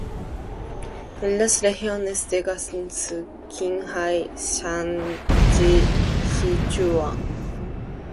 En las regiones de Gansu, Qinghai, Shaanxi, Sichuan.